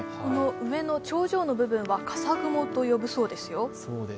上の頂上の部分は笠雲と呼ぶそうですよ。